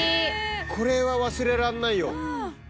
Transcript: これは忘れらんないよ。